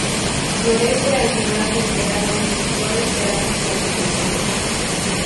Florece al final del verano y sus flores se abren durante las noches.